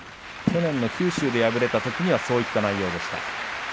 去年の九州で敗れたときには、そういった内容でした。